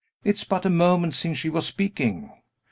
"It is but a moment since she was speaking."